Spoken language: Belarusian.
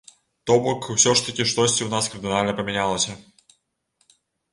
То бок усё ж такі штосьці ў нас кардынальна памянялася.